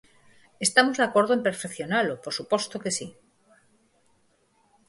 Estamos de acordo en perfeccionalo, por suposto que si.